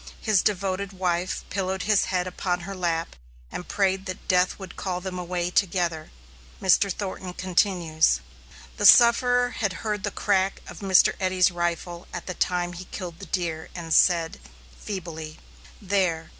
His devoted wife pillowed his head upon her lap, and prayed that death would call them away together. Mr. Thornton continues: The sufferer had heard the crack of Mr. Eddy's rifle at the time he killed the deer, and said, feebly, "There!